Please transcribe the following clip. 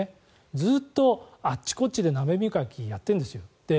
ずっとあっちこっちで鍋磨きをやってるんですよ。